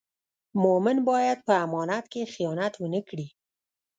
مومن باید په امانت کې خیانت و نه کړي.